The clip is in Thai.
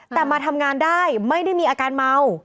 แต่มาทำงานได้ไม่ได้มีอาการเมา